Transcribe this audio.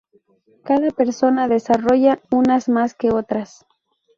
Cada persona desarrolla unas más que otras.